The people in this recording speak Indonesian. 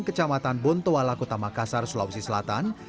kecamatan bontoala kota makassar sulawesi selatan